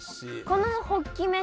このホッキ飯